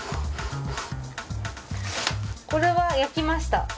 これは焼きました。